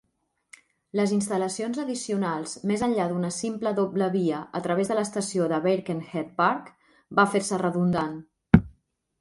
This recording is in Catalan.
Les instal·lacions addicionals més enllà d'una simple doble via a través de l'estació a Bairkenhead Park va fer-se redundant.